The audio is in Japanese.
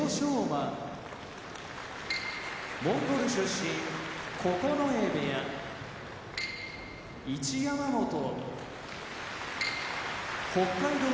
馬モンゴル出身九重部屋一山本北海道